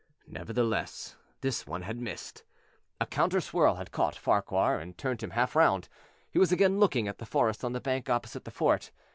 Nevertheless, this one had missed. A counter swirl had caught Farquhar and turned him half round; he was again looking into the forest on the bank opposite the fort.